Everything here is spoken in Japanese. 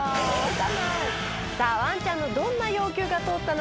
さあワンちゃんのどんな要求が通ったのか？